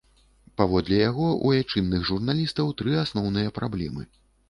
Паводле яго, у айчынных журналістаў тры асноўныя праблемы.